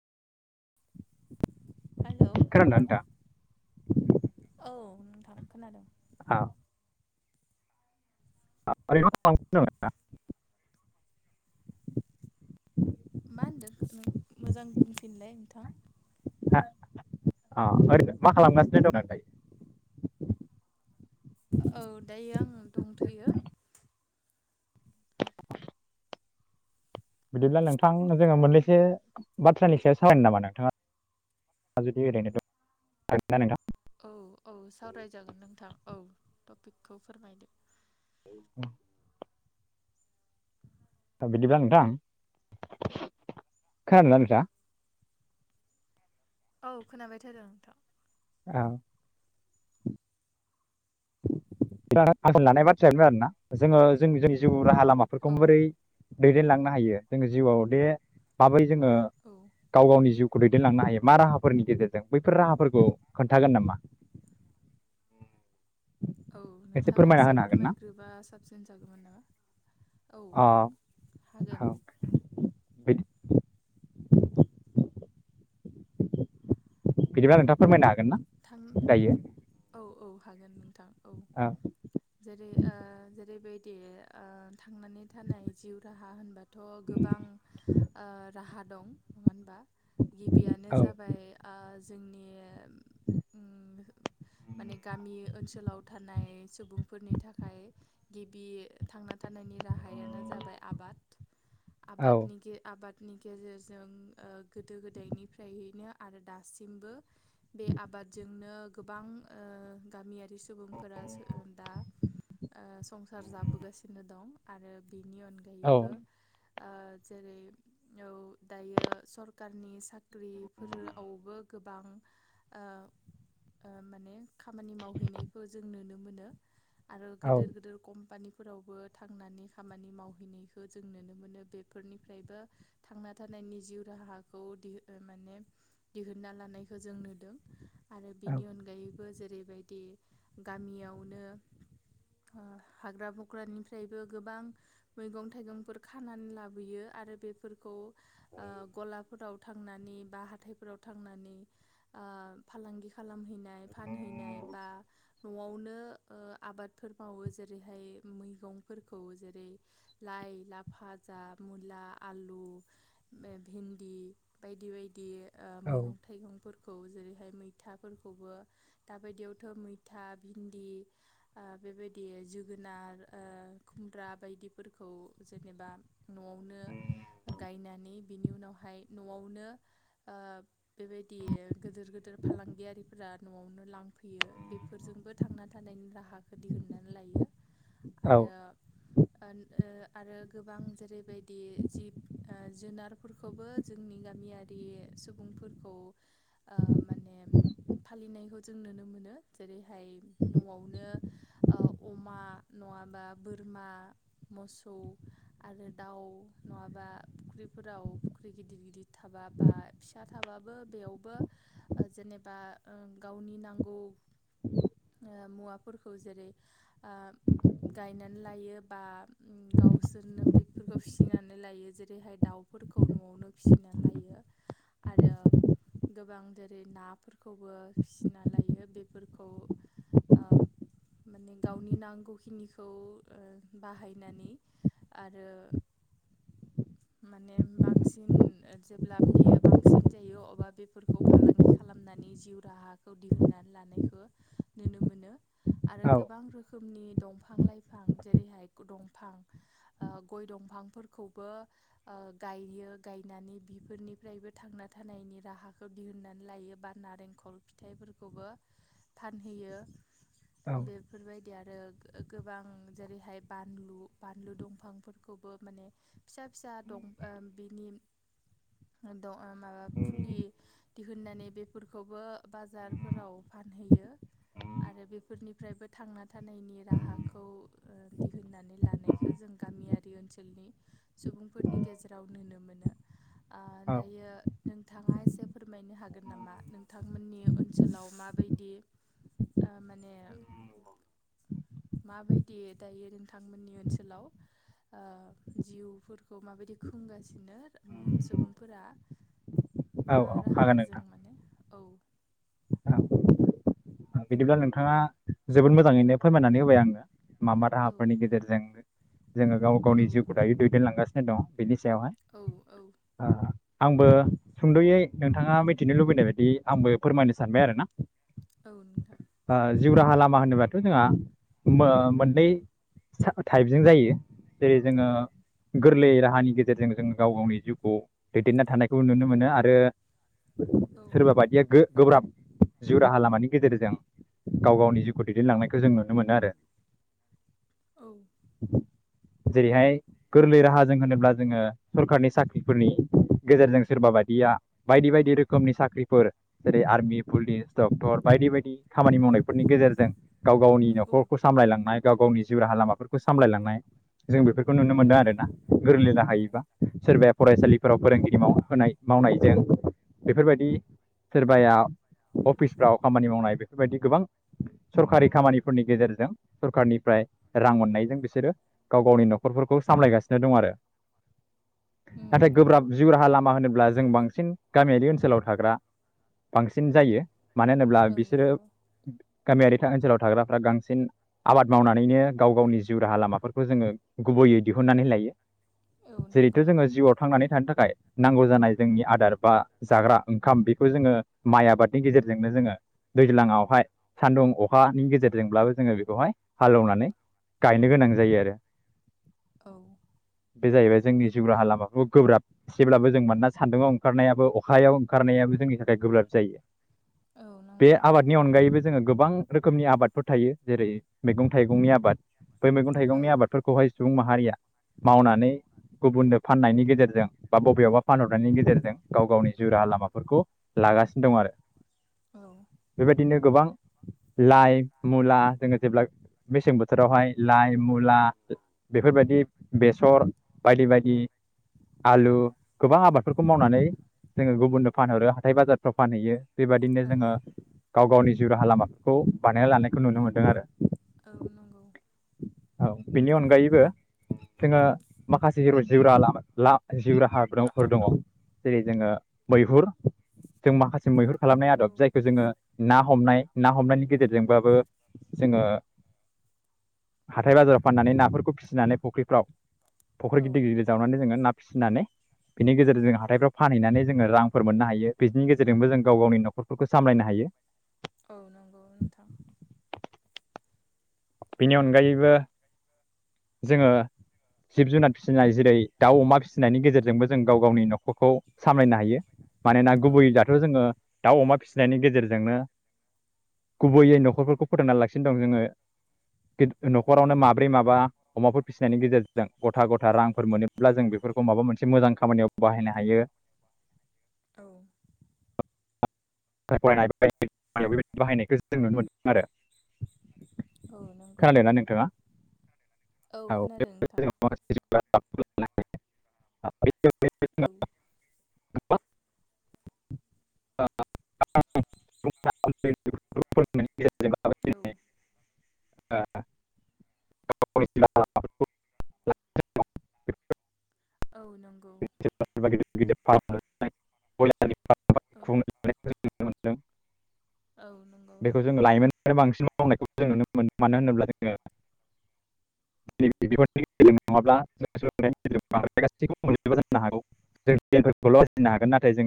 Hello [unintelligible] औ नोंथां खोनादों आ [unintelligible] मा होनदों मोजां बुंफिनलाय नोंथां। अ ओरैनो माखालामगासिनो दं दायो। [inaudible] औ दायो आंङो दंथ'यो। बिदिब्ला नोंथां जोङो मोननैसो बाथ्रानि सायाव सावरायनो नामा नोंथाङा जुदि ओरनोथ' औ औ सावरायजागोन नोंथां औ टपिकखौ फोरमायदो औ बिदिब्ला नोंथां औ। खोनादोंला नोंथा औ खोनाबाय थादों नोंथां औ। आं लानाय बाथ्रायानो आरोना जोङो जों जोंनि जिउ राहा लामा माफोरखौ औ बोरै दैदेनांनो हायो जों जिउआव दे बै जोङो औ गाव गावनि जिउ दैदेनलांनो हायो मा राहाफोरनि गेजेरजों बैफोर राहाफोरखौ खोन्थागोन नामा [inaudible] औ नोंथाङा फोरमायना एसे होनो हागोन ना फोरमायग्रोबा साबसिन जागौमोन नामा औ अ औ हागोन बिदि बिदिब्ला नोंथाङा फोरमायनो हागोन ना जायो होन नोंथां औ जै जै बे दे थांनानै थानाय जिउ राहा होनबाथ' गोबां राहा दं नङा होनबा गिबियानो औ जाबाय जोंनि माने गामि ओनसोलाव थानाय सुबुंफोरनि थाखाय गिबि थांना होबथानायनि राहायानो जाबाय आबाद औ आबादनि आबाद नि गेजेरजों गोदो गोदायनिफ्रायैनो आरो दासिमबो बे आबादजोंनो गोबां गामियारि सुबुंफोरा दा संसार जाबोगासिनो दं आरो बेनि औ अनगायैबो जेरै औ दायो सरखारारनि साख्रिफोरावबो गोबां माने खामानि मावहैनायखौ जों नुनो मोनो आरो औ गदेर गिदोर कम्पानि फोरावबो थांनानै खामानि मावहैनायखौ जों नुनो मोनो बेफोरनिफ्रायबो थांना थानाय नि जिउ राहाखौ माने दिहुनन्ना लानायखौ जों नुदों आरो बिनि अनगायैबो जेरैबायदि गामियावनो हाग्रा बग्रानिफ्रायबो गोबां मैगं थाइगंफोर खानानै लाबोयो आरो आरो बेफोरखौ गलाफोराव थांनानै बा हाइफोराव थांनानै फालांगि खालामहैनाय फानहैनाय बा न'आवनो आबादफोर मावो जेरैहाय मैगंफोरखौ जेरै लाइ ला भाजा मुला आलु भिन्दि बायदि बायदि मैगं थाइगंफोरखौ जेरै ओमफ्राय मैथाफोरखौबो दाबायदियावथ' मैथा भिन्दि बेबायदि जोगोनार खुमब्रा बायदिफोरखौ जेनेबा न'आवनो गायनानै बिनि उनावहाय न'आवनो बेबायदि गोिदोर फालांगियारिफोरा न'आवनो लांफैयो बेफोरजोंबो थांना थानायनि राहाखौ दिहुननानै लायो औ आरो आरो गोबां जेरैबायदि जिब जुनारफोरखौबो जोंनि गामि गामियारि सुबुंफोरखौ माने फालिनायखौ जों नुनो मोनो जेरैहाय न'आवनो अमा नङाबा बोरमा मोसौ आरो दाउ नङाबा फुख्रिफोराव फुख्रि गिदिर गिदिर थाबा बा फिसा थाबा बेयावबो जेनेबा गावनि नांगौ मुवाफोरखौ जेरै गायनानै लायो बा गावसोरनो बेफोरखौ फिसिनानै लायो जेरैहाय दाउ न'आवनो फिसिना आरो गोबां जेरै नाफोरखौबो फिसिना लायो बेफोरखौ माने गावनि नांगौखिनिखौ बाहायनानै आरो माने बांसिन जेब्ला बियो बांसिन जायो अबा बेफोरखौ फालांगि खालामनानै जिउ राहाखौ दिहुनन्नानै लानायखौ नुनो मोनो आरो औ गोबां रोखोमनि दंफां लाइफां जेरैहाय ग दंफां ओ गय दंफांफोरखौबो ओ गायो गायनानै बिफोरनिफ्रायबो थांना थानायनि राहा दिहुननानै लायो बा नारेंखल फिथाइफोरखौबो फानहैयो। बेफोरबायदि आरो गोबां जेरैहाय बानलु बानलु दंफां फोरखौबो माने फिसा फिसा दं ओ बिनि ओ दं माबा फुलि दिहुननानै बेफोरखौबो बाजारफोराव फानहैयो आरो बेफोरनिफ्रायबो थांना थानायनि राहाखौ दिहुननानै लानायखौ जों गामियारि ओनसोलनि सुबुंफोरनि गेजेराव नुनो मोनो ओ दायो नोंथांङा एसे फोरमायनो हागोन नामा नोंथांमोननि ओनसोलाव माबायदि ओ माने माबायदि दायो नोंथांमोननि ओनसोलाव ओ जिउफोरखौ माबायदि खुंगासिनो उ सुबुंफोरा औ मा औ हागोन राहाजों नोंथां माने औ औ बिदिब्ला नोंथांङा जोबोद मोजांङैनो फोरमायनानै होबाय आंनो मा मा औ राहाफोरनि गेजेरजों जोंङो गाव गावनि औ जिउखौ दायो दैदेनलांगासिनो दंङ बेनि सायावहाय औ औ [unintelligible] आंबो सुंद'यै नोंथांङा मिथिनो लुबैनाय बायदि आंबो फोरमायनो सानबाय आरोना औ नोंथां जिउ राहा लामा होनोबाथ' जोंहा मो मोननै टाइपजों जायो जेरै जोंङो औ गोरलै जाहानि गेजेरजों जों गाव गावनि जिउखौ दैदेनना थानायखौ नुनो मोनो आरो औ सोरबा बायदिया गो गोब्राब जिउ राहा लामानि गेजेरजों गाव गावनि जिउखौ दैदेनलांनायखौ जों नुनो मोनो आरो औ [inaudible] जेरैहाय गोरलै राहाजों होनोब्ला जोंङो सरखारनि साख्रिफोरनि गेजेरजों सोरबा बादिया बायदि बायदि रोखोमनि साख्रिफोर जेरै आर्मि पुलिस डक्टर बायदि बायदि खामानि मावनायफोरनि गेजेरजों गाव गावनि न'खरखौ सामलायलांनाय गाव गावनि जिउ राहा लामाफोरखौ सामलायलांनाय जों बेफोर खौ नुनो औ मोनदों आरोना गोरलैनो राहायैबा सोरबाया फरायसालिफोराव फोरोंगिरि माव होनाय मावनायजों बेफोरबायदि सोरबाया अफिसफ्राव खामानि मावनाय बेफोरबायदि गोबां सरखारि खामानिफोरनि गेजेरजों सरखारनिफ्राय रां अननाय बेजों बिसोरो गाव गावनि न'खरफोरखौ सामलायगासिनो दं आरो नाथाय उम औ गोब्राब जिउ राहा लामा होनोब्ला जों बांसिन गामियारि ओनसोलाव थाग्रा बांसिन औ जायो मानो होनोब्ला औ बिसोरो नंगौ गामियारि ओनसोलाव थाग्राफ्रा बांसिन आबाद मावनानैनो गाव गावनि जिउ राहा लामाफोरखौ जोंङो गुबैयै दिहुन [unintelligible] नानै लायो औ जेरैथ' नंगौ जोंङो जिउआव थांनानै थानो थाखाय नांगौ जानाय जोंनि आदार बा जाग्रा ओंखाम बेखौ जोंङो माइ आबादनि गेजेर जोंनो जोङो दैज्लाङावहाय सान्दुं अखानि गेजेरजोंब्लाबो जोङो बिखौहाय हालोवनानै गायनो गोनां जायो आरो। औ‌ बे जाहैबाय जोंनि जिउ राहा लामाफोरखौ गोब्राब एसेब्लाबो जों मानोना सान्दुङाव ओंखारनायाबो अखायाव ओंखारनायाबो जोंनि थाखाय गोब्राब जायो औ बे नंगौ आबादनि अनगायैबो जोङो गोबां रोखोमनि आबादफोर थायो जेरै मैगं थाइगंनि आबाद बै मैगं थाइगंनि औ आबादफोरखौहाय सुबुं माहारिया मावनानै गुबुननो फाननायनि गेजेरजों बा बबेयावबा फानहरनायनि गेजेरजों गाव गावनि जिउ राहा लामाफोरखौ लागासिनो दं आरो औ बेब बिदिनो गोबां लाइ मुला जोङो जेब्ला मेसें बोथोरावहाय लाइ मुला बेफोरबायदि बेसर बायदि बायदि आलु गोबां आबादफोरखौ मावनानै जोङो गुबुननो फानहरो हाथाय बाजारफ्राव फानहैयो बेबायदिनो औ जोङो गाव गावनि जिउ राहा लामाफोरखौ बानायना लानायखौ नुनो मोनदों आरो। औ नंगौ औ बिनि अनगायैबो जोङो माखासे [unintelligible] [unintelligible] जिउ राहाफोर दङ राहाफ्राव जेरै जोङो मैहुर जों माखासे मैहुर खालामनाय औ आदब जायखौ जोङो ना हमनाय ना हमनायनि गेजेरजोंबाबो जोङो हाथाय बाजाराव फाननानै नाफोरखौ फिसिनानै फख्रिफ्राव फ'ख्रि औ गिदिर गिदिर जावनानै जोङो ना फिसिनानै बिनि गेजेरजों जों हाथायफ्राव फानहैनानै जोङो रांफोर मोननो हायो बिनि गेजेरजोंबो जों गाव गावनि न'खरफोरखौ सामलायनो हायो। औ नोंगौ नोंथां। बेनि अनगायैबो जोङो जिब जुनार फिसिनाय जेरै दाउ अमा फिसिनायनि गेजेरजोंबो जों गाव गावनि न'खरखौ सामलायनो हायो। मानोना औ गुबै दाथ' जोङो दाउ अमा फिसिनायनि गेजेरजोंनो गुबैयै न'खरफोरखौ फोथांना लागासिनो दं जोङो। [inaudible] न'खरावनो माब्रै माबा अमाफोर फिसिनायनि गेजेरजों गथा गथा रांफोर मोनोब्ला जों बेफोरखौ माबा मोनसे मोजां खामानियाव बाहायनो हायो। औ। फरायनाय बायदि बेबाय बाहायनायखौ जों नुनो मोनदों आरो औ नोंगौ खोनादोंना नोंथां नोंथाङा औ [unintelligible] औ खोनादों नोंथां औ [unintelligible] [unintelligible] [unintelligible] औ। [unintelligible] [unintelligible] औ नोंगौ गिदिर गिदिर [unintelligible] औ औ नंगौ बेखौ जोङो लाइमोनफोरफ्राय बांसिन मावनायखौ जों नुनो मोनो मानो होनोब्ला जोङो बेफोर गेले नङाब्ला गासैखौबो जानो हागौ जोंफोरखौल' [unintelligible] सिनो हागोन नाथाय जों